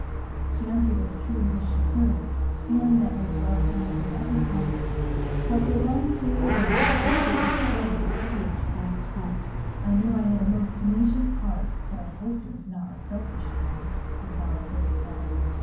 She answered as truly as she could, feeling that his love demanded every confidence but the one cruel one which would destroy its peace past help. "I knew I had a most tenacious heart, but I hoped it was not a selfish one," he sorrowfully said.